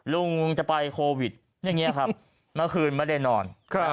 ลุงจะไปโควิดอย่างนี้ครับเมื่อคืนไม่ได้นอน